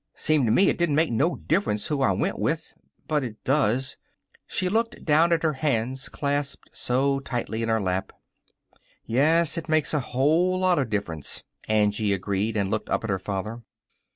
Seemed to me it didn't make no difference who I went with, but it does." She looked down at her hands clasped so tightly in her lap. "Yes, it makes a whole lot of difference," Angie agreed, and looked up at her father.